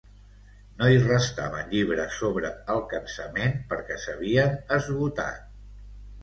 No hi restaven llibres sobre el cansament perquè s'havien esgotat.